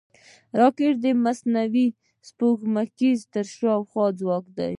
راکټ د مصنوعي سپوږمکۍ تر شا ځواک دی